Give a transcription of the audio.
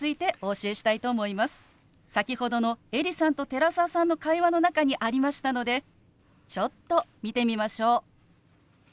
先ほどのエリさんと寺澤さんの会話の中にありましたのでちょっと見てみましょう。